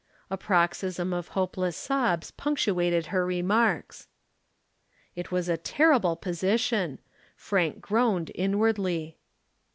A paroxysm of hopeless sobs punctuated her remarks. It was a terrible position. Frank groaned inwardly.